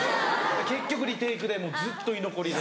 結局リテイクでもうずっと居残りで。